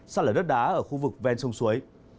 sạt lở đất đá ở khu vực ven sông suối